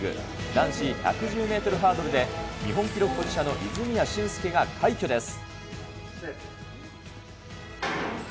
男子１１０メートルハードルで、日本記録保持者の泉谷駿介が快挙です。